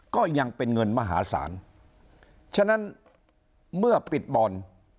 ก็ยังเป็นเงินมหาศาลฉะนั้นเมื่อปิดบอล